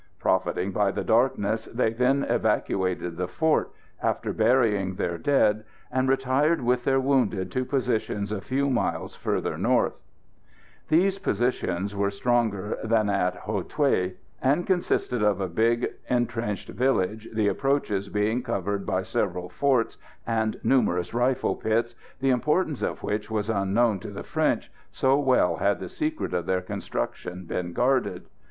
Profiting by the darkness, they then evacuated the fort, after burying their dead, and retired with their wounded to positions a few miles further north. [Illustration: INTERIOR OF THE FORT AT HOU THUÉ.] These positions were stronger than at Hou Thué, and consisted of a big entrenched village, the approaches being covered by several forts and numerous rifle pits, the importance of which was unknown to the French, so well had the secret of their construction been guarded.